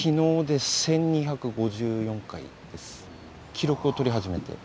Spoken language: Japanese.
記録を取り始めて。